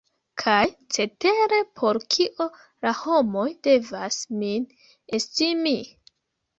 Kaj cetere por kio la homoj devas min estimi?